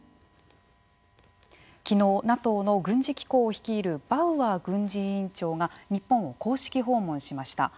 きのうＮＡＴＯの軍事機構を率いるバウアー軍事委員長が日本を公式訪問しました。